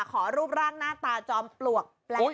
ขอรูปร่างหน้าตาจอมปลวกแปลก